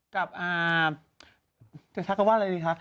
กับเกิดชักก็ว่าอะไรดีคะ